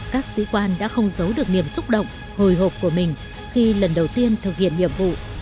các sĩ quan đã không giấu được niềm xúc động hồi hộp của mình khi lần đầu tiên thực hiện nhiệm vụ